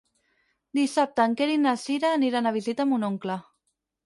Dissabte en Quer i na Cira aniran a visitar mon oncle.